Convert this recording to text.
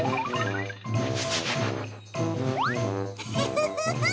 フフフフッ。